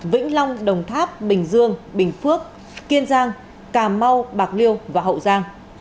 vĩnh long đồng tháp bình dương bình phước kiên giang cà mau bạc liêu và hậu giang